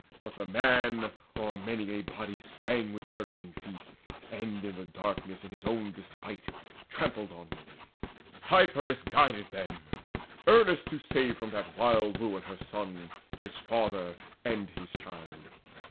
But the man O'er many a body sprang with hurrying feet, And in the darkness in his own despite Trampled on many. Cypris guided them, Earnest to save from that wild ruin her son, His father, and his child.